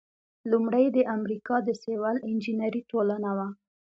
لومړۍ د امریکا د سیول انجینری ټولنه وه.